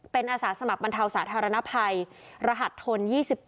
เป็นอาสาสมัครบรรเทาสาธารณภัยรหัสทน๒๘